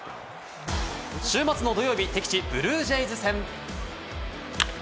週末の土曜日、敵地・ブルージェイズ戦。